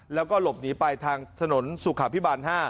แล้วก็หลบหนีไปทางถนนสุขาพิบาล๕